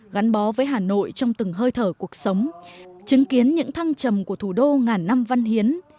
gắn bó với hà nội trong từng hơi thở cuộc sống chứng kiến những thăng trầm của thủ đô ngàn năm văn hiến